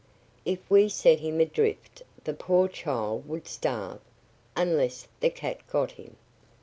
"If we set him adrift the poor child would starve unless the cat got him."